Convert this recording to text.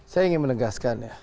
saya ingin menegaskan ya